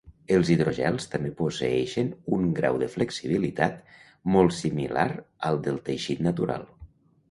Els hidrogels també posseeixen un grau de flexibilitat molt similar al del teixit natural.